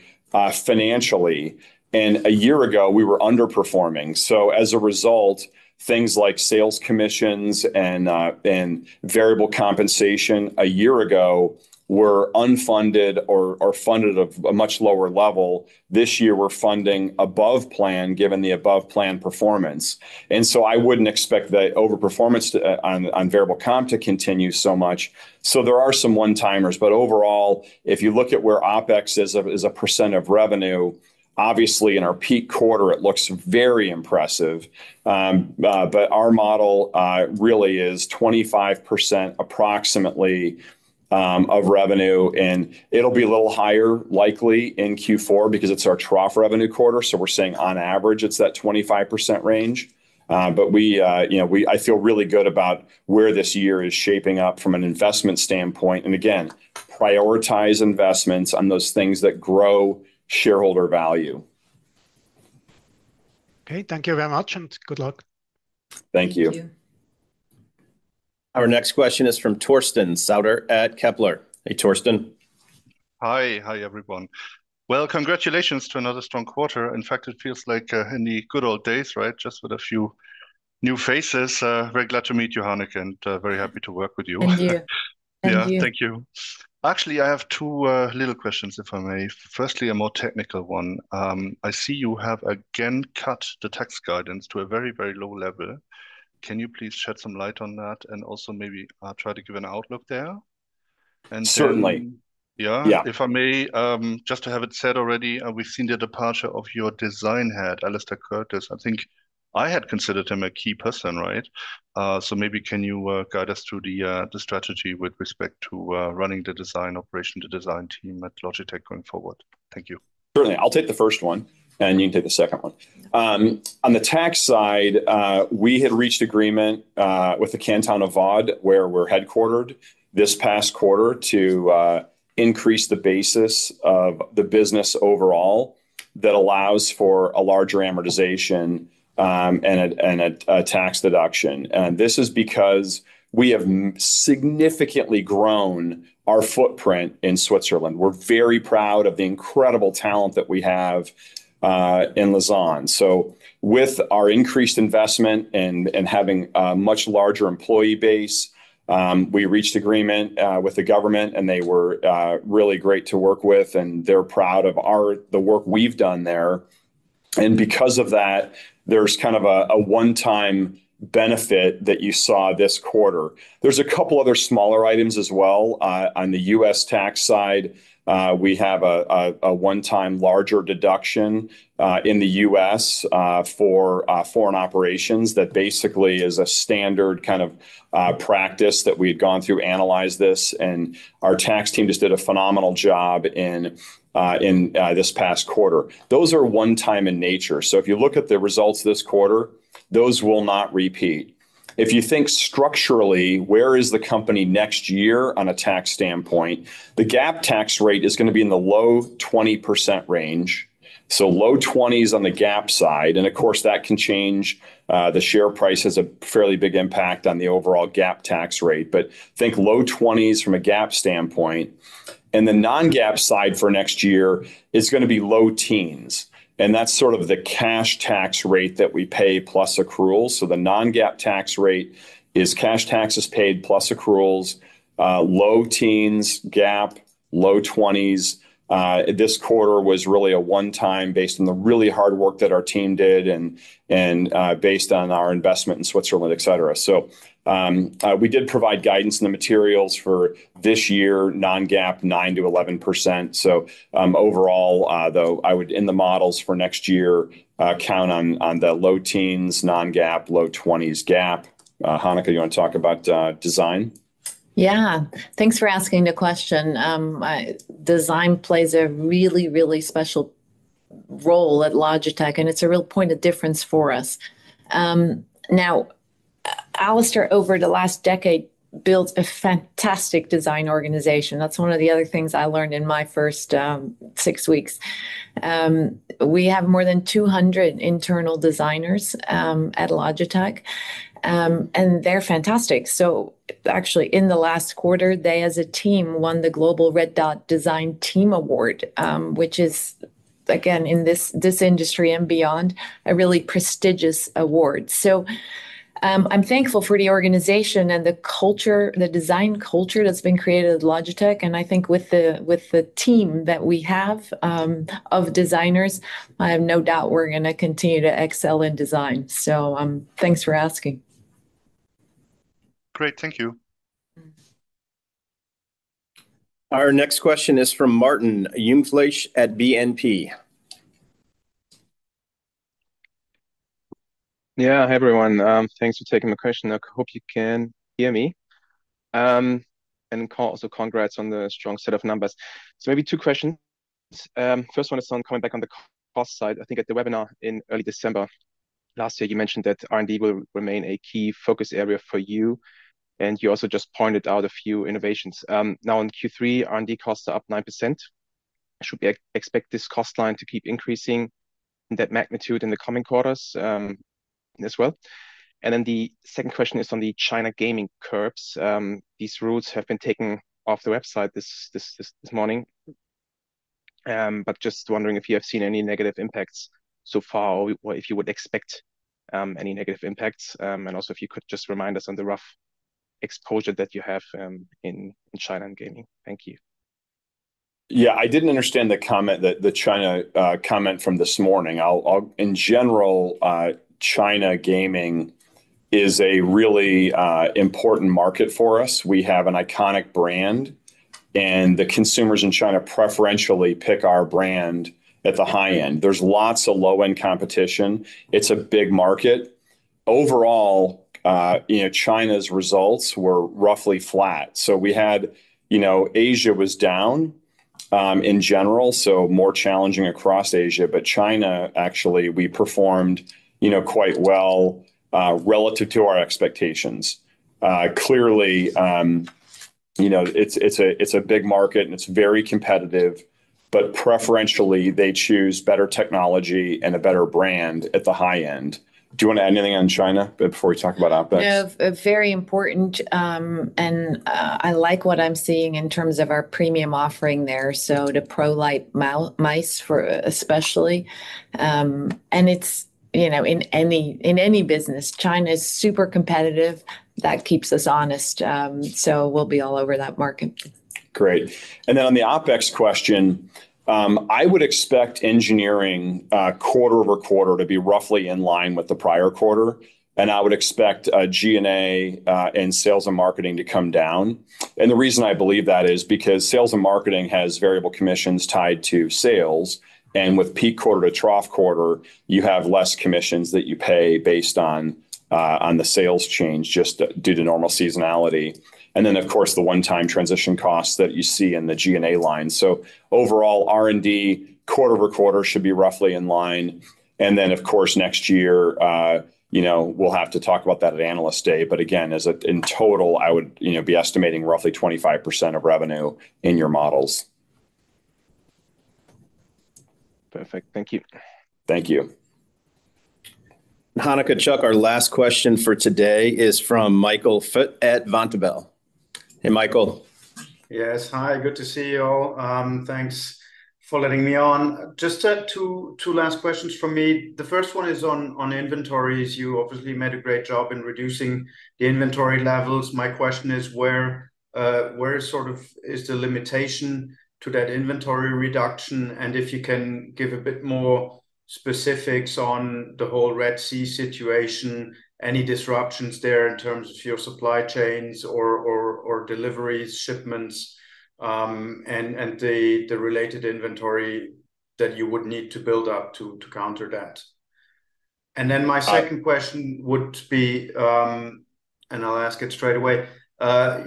financially, and a year ago we were underperforming. So as a result, things like sales commissions and, and variable compensation a year ago were unfunded or, or funded at a, a much lower level. This year we're funding above plan, given the above-plan performance, and so I wouldn't expect the overperformance on variable comp to continue so much. So there are some one-timers, but overall, if you look at where OpEx as a percent of revenue, obviously in our peak quarter it looks very impressive. But our model really is 25%, approximately, of revenue, and it'll be a little higher likely in Q4 because it's our trough revenue quarter, so we're saying on average, it's that 25% range. But we, you know, I feel really good about where this year is shaping up from an investment standpoint, and again, prioritize investments on those things that grow shareholder value. Okay, thank you very much, and good luck. Thank you. Thank you. Our next question is from Torsten Sauter at Kepler. Hey, Torsten. Hi. Hi, everyone. Well, congratulations to another strong quarter. In fact, it feels like in the good old days, right? Just with a few new faces. Very glad to meet you, Hanneke, and very happy to work with you. Thank you. Thank you. Yeah, thank you. Actually, I have two little questions, if I may. Firstly, a more technical one. I see you have again cut the tax guidance to a very, very low level. Can you please shed some light on that and also maybe try to give an outlook there? And- Certainly. Yeah? Yeah. If I may, just to have it said already, we've seen the departure of your design head, Alastair Curtis. I think I had considered him a key person, right? So maybe can you guide us through the strategy with respect to running the design operation, the design team at Logitech going forward? Thank you. Certainly. I'll take the first one, and you can take the second one. On the tax side, we had reached agreement with the Canton of Vaud, where we're headquartered, this past quarter to increase the basis of the business overall that allows for a larger amortization, and a tax deduction. And this is because we have significantly grown our footprint in Switzerland. We're very proud of the incredible talent that we have in Lausanne. So with our increased investment and having a much larger employee base, we reached agreement with the government and they were really great to work with, and they're proud of our work we've done there. And because of that, there's kind of a one-time benefit that you saw this quarter. There's a couple other smaller items as well. On the US tax side, we have a one-time larger deduction in the US for foreign operations that basically is a standard kind of practice that we've gone through, analyzed this, and our tax team just did a phenomenal job in this past quarter. Those are one time in nature, so if you look at the results this quarter, those will not repeat. If you think structurally, where is the company next year on a tax standpoint? The GAAP tax rate is gonna be in the low 20% range, so low 20s on the GAAP side, and of course, that can change. The share price has a fairly big impact on the overall GAAP tax rate, but think low 20s from a GAAP standpoint. The non-GAAP side for next year is gonna be low teens, and that's sort of the cash tax rate that we pay plus accrual. So the non-GAAP tax rate is cash taxes paid plus accruals. Low teens GAAP, low twenties. This quarter was really a one time based on the really hard work that our team did and based on our investment in Switzerland, et cetera. So, we did provide guidance in the materials for this year, non-GAAP, 9%-11%. So, overall, though, I would, in the models for next year, count on the low teens non-GAAP, low twenties GAAP. Hanneke, you wanna talk about design? Yeah. Thanks for asking the question. Design plays a really, really special role at Logitech, and it's a real point of difference for us. Now, Alastair, over the last decade, built a fantastic design organization. That's one of the other things I learned in my first six weeks. We have more than 200 internal designers at Logitech, and they're fantastic. So actually, in the last quarter, they, as a team, won the global Red Dot Design Team Award, which is, again, in this, this industry and beyond, a really prestigious award. So, I'm thankful for the organization and the culture, the design culture that's been created at Logitech, and I think with the, with the team that we have of designers, I have no doubt we're gonna continue to excel in design. So, thanks for asking. Great. Thank you. Mm. Our next question is from Martin Jungfleisch at BNP.... Yeah. Hi, everyone, thanks for taking my question. I hope you can hear me. And also congrats on the strong set of numbers. So maybe two questions. First one is on coming back on the cost side. I think at the webinar in early December last year, you mentioned that R&D will remain a key focus area for you, and you also just pointed out a few innovations. Now, in Q3, R&D costs are up 9%. Should we expect this cost line to keep increasing in that magnitude in the coming quarters, as well? And then the second question is on the China gaming curbs. These rules have been taken off the website this morning. But just wondering if you have seen any negative impacts so far, or if you would expect any negative impacts? And also, if you could just remind us on the rough exposure that you have in China on gaming? Thank you. Yeah, I didn't understand the comment that the China comment from this morning. I'll. In general, China gaming is a really important market for us. We have an iconic brand, and the consumers in China preferentially pick our brand at the high end. There's lots of low-end competition. It's a big market. Overall, you know, China's results were roughly flat, so we had... You know, Asia was down in general, so more challenging across Asia. But China, actually, we performed, you know, quite well relative to our expectations. Clearly, you know, it's a big market, and it's very competitive, but preferentially they choose better technology and a better brand at the high end. Do you want to add anything on China before we talk about OpEx? Yeah. A very important, and, I like what I'm seeing in terms of our premium offering there, so the PRO Light mice for especially. And it's, you know, in any, in any business, China is super competitive. That keeps us honest. So we'll be all over that market. Great. And then on the OpEx question, I would expect engineering, quarter-over-quarter to be roughly in line with the prior quarter, and I would expect, G&A, and sales and marketing to come down. And the reason I believe that is because sales and marketing has variable commissions tied to sales, and with peak quarter to trough quarter, you have less commissions that you pay based on, on the sales change, just due to normal seasonality. And then, of course, the one-time transition costs that you see in the G&A line. So overall, R&D, quarter-over-quarter, should be roughly in line. And then, of course, next year, you know, we'll have to talk about that at Analyst Day. But again, in total, I would, you know, be estimating roughly 25% of revenue in your models. Perfect. Thank you. Thank you. Hanneke, Chuck, our last question for today is from Michael Foeth at Vontobel. Hey, Michael. Yes. Hi, good to see you all. Thanks for letting me on. Just two last questions from me. The first one is on inventories. You obviously made a great job in reducing the inventory levels. My question is where sort of is the limitation to that inventory reduction? And if you can give a bit more specifics on the whole Red Sea situation, any disruptions there in terms of your supply chains or deliveries, shipments, and the related inventory that you would need to build up to counter that? And then my second question would be, and I'll ask it straight away.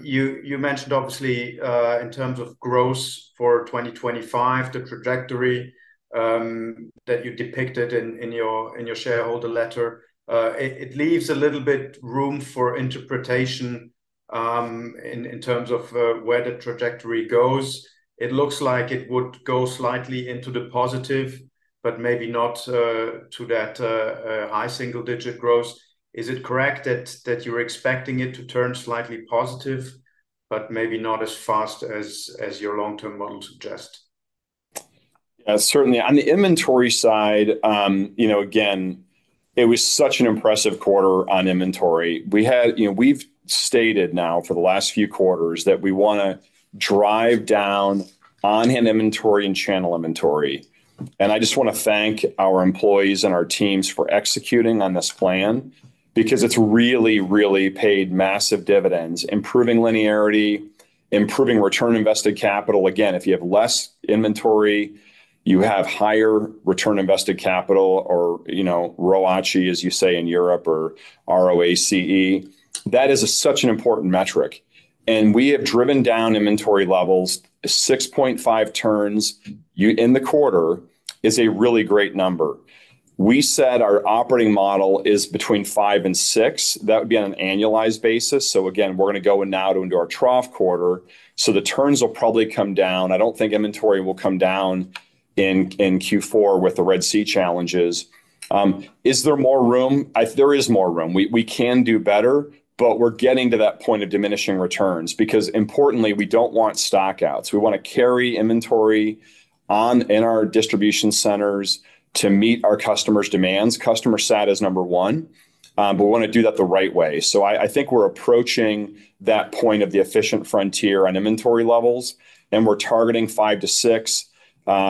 You mentioned obviously in terms of gross for 2025, the trajectory that you depicted in your shareholder letter. It leaves a little bit room for interpretation in terms of where the trajectory goes. It looks like it would go slightly into the positive, but maybe not to that high single-digit growth. Is it correct that you're expecting it to turn slightly positive, but maybe not as fast as your long-term model suggests? Yeah, certainly. On the inventory side, you know, again, it was such an impressive quarter on inventory. We've stated now for the last few quarters that we wanna drive down on-hand inventory and channel inventory. I just want to thank our employees and our teams for executing on this plan because it's really, really paid massive dividends, improving linearity, improving return on invested capital. Again, if you have less inventory, you have higher return on invested capital, or, you know, ROIC, as you say in Europe, or ROACE. That is such an important metric, and we have driven down inventory levels. 6.5 turns in the quarter is a really great number. We said our operating model is between five and six. That would be on an annualized basis. So again, we're going to go in now into our trough quarter, so the turns will probably come down. I don't think inventory will come down in Q4 with the Red Sea challenges. Is there more room? There is more room. We can do better, but we're getting to that point of diminishing returns. Because importantly, we don't want stock outs. We want to carry inventory in our distribution centers to meet our customers' demands. Customer sat is number one, but we want to do that the right way. I think we're approaching that point of the efficient frontier on inventory levels, and we're targeting five-six.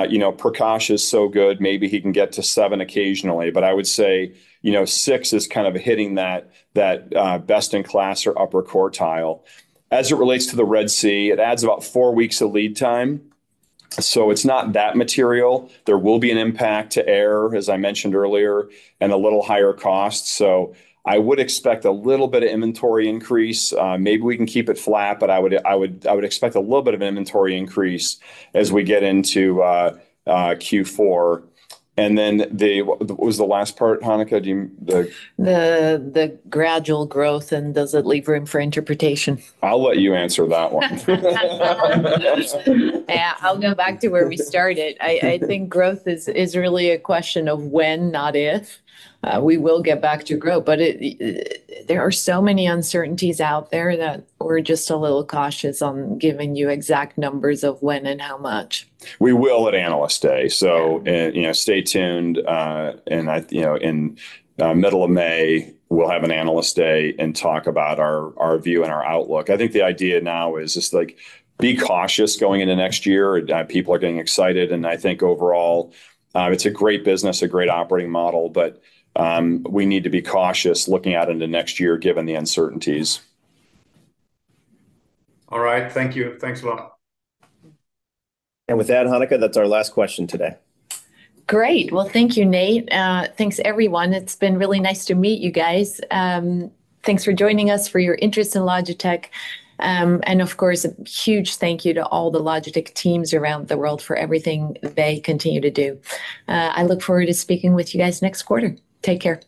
You know, Prakash is so good, maybe he can get to seven occasionally, but I would say, you know, six is kind of hitting that best in class or upper quartile. As it relates to the Red Sea, it adds about four weeks of lead time, so it's not that material. There will be an impact to air, as I mentioned earlier, and a little higher cost, so I would expect a little bit of inventory increase. Maybe we can keep it flat, but I would expect a little bit of inventory increase as we get into Q4. And then what was the last part, Hanneke? Do you... The- The gradual growth, and does it leave room for interpretation? I'll let you answer that one. Yeah, I'll go back to where we started. I think growth is really a question of when, not if. We will get back to growth, but there are so many uncertainties out there that we're just a little cautious on giving you exact numbers of when and how much. We will at Analyst Day. Yeah. So, you know, stay tuned, and I... You know, in middle of May, we'll have an Analyst Day and talk about our, our view and our outlook. I think the idea now is just, like, be cautious going into next year. People are getting excited, and I think overall, it's a great business, a great operating model, but we need to be cautious looking out into next year, given the uncertainties. All right. Thank you. Thanks a lot. With that, Hanneke, that's our last question today. Great! Well, thank you, Nate. Thanks, everyone. It's been really nice to meet you guys. Thanks for joining us, for your interest in Logitech, and of course, a huge thank you to all the Logitech teams around the world for everything they continue to do. I look forward to speaking with you guys next quarter. Take care.